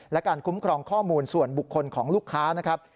และการคุ้มครองข้อมูลส่วนบุคคลของลูกค้านะครับ